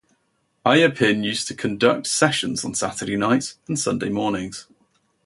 Ayah Pin used to conduct "sessions" on Saturday nights and Sunday mornings.